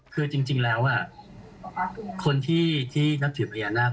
คือจริงแล้วคนที่นับถือพญานาค